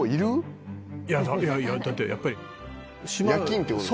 いやいやだってやっぱり。